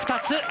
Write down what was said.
２つ！